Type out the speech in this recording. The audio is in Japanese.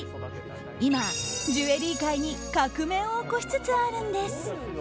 今、ジュエリー界に革命を起こしつつあるんです。